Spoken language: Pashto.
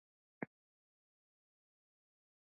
دغه توکي موږ د ډېر وخت له پاره نه سي مصروف کولای.